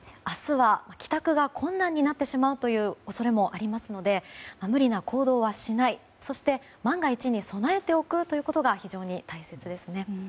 明日は帰宅が困難になってしまうという恐れもありますので無理な行動はしないそして万が一に備えておくことが非常に大切ですね。